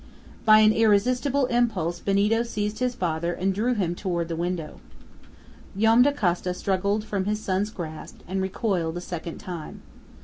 By an irresistible impulse Benito seized his father and drew him toward the window. Joam Dacosta struggled from his son's grasp and recoiled a second time.